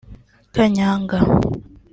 kanyanga